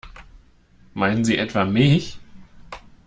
Meinen Sie etwa mich?